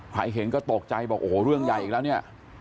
เห็นก็ตกใจบอกโอ้โหเรื่องใหญ่อีกแล้วเนี่ย